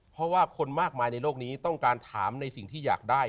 เพราะว่าคนมากมายในโลกนี้ต้องการถามในสิ่งที่อยากได้